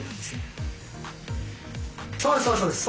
そうですそうです。